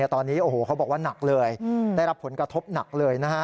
ตอนนี้เขาบอกว่าหนักเลยได้รับผลกระทบหนักเลยนะฮะ